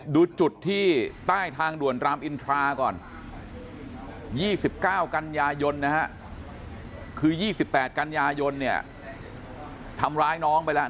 ดูจุดที่ใต้ทางด่วนรามอินทราก่อน๒๙กันยายนนะฮะคือ๒๘กันยายนเนี่ยทำร้ายน้องไปแล้ว